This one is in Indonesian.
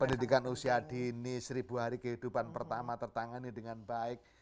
pendidikan usia dini seribu hari kehidupan pertama tertangani dengan baik